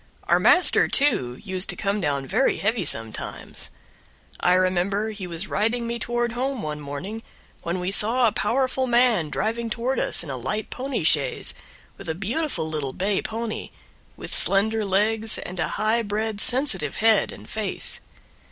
Our master, too, used to come down very heavy sometimes. I remember he was riding me toward home one morning when we saw a powerful man driving toward us in a light pony chaise, with a beautiful little bay pony, with slender legs and a high bred sensitive head and face.